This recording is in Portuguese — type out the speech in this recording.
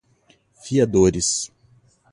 fiadores